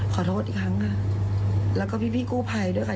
ขอโทษอีกครั้งค่ะแล้วก็พี่กู้ภัยด้วยค่ะ